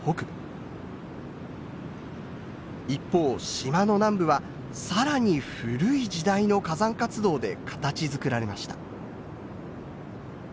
一方島の南部は更に古い時代の火山活動で形づくられました。